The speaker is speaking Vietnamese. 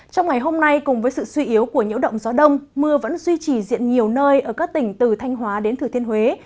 trong ngày hôm nay cùng với sự suy yếu của nhiễu động gió đông mưa vẫn duy trì diện nhiều nơi ở các tỉnh từ thanh hóa đến thừa thiên huế